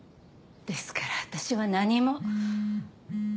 ですから私は何も。